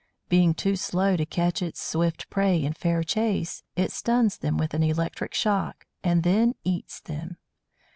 Being too slow to catch its swift prey in fair chase, it stuns them with an electric shock, and then eats them.